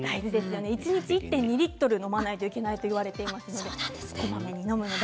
一日１．２リットル飲まなきゃいけないと言われています。